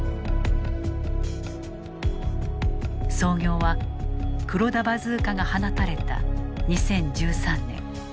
創業は、黒田バズーカが放たれた２０１３年。